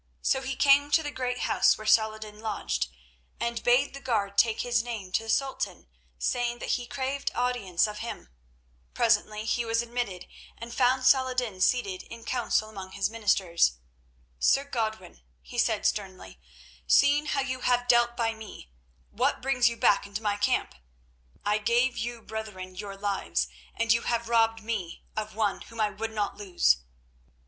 So he came to the great house where Saladin lodged, and bade the guard take his name to the Sultan, saying that he craved audience of him. Presently he was admitted, and found Saladin seated in council among his ministers. "Sir Godwin," he said sternly, "seeing how you have dealt by me, what brings you back into my camp? I gave you brethren your lives, and you have robbed me of one whom I would not lose."